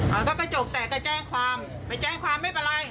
เอาถ้ากระจกแตกก็แจ้งความไปแจ้งความไม่เป็นไร